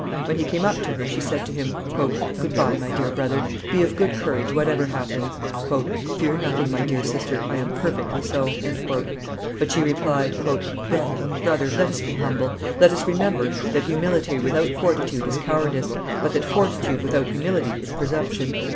When he came up to her, she said to him, "Good by, my dear brother; be of good courage, whatever happens." "Fear nothing, my dear sister; I am perfectly so." But she replied, "Brother, brother, let us be humble. Let us remember that humility without fortitude is cowardice, but that fortitude without humility is presumption."